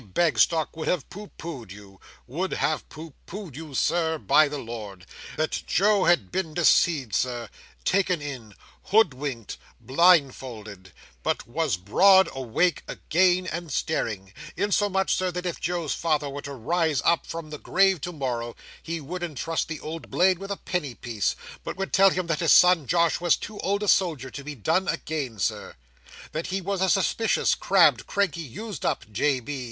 Bagstock would have pooh pooh'd you—would have pooh pooh'd you, Sir, by the Lord! That Joe had been deceived, Sir, taken in, hoodwinked, blindfolded, but was broad awake again and staring; insomuch, Sir, that if Joe's father were to rise up from the grave to morrow, he wouldn't trust the old blade with a penny piece, but would tell him that his son Josh was too old a soldier to be done again, Sir. That he was a suspicious, crabbed, cranky, used up, J. B.